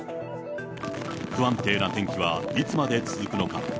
不安定な天気はいつまで続くのか。